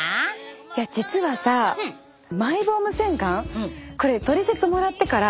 いや実はさマイボーム洗顔これトリセツもらってからやったのね。